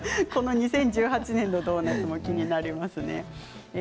２０１８年のドーナツも気になりますね。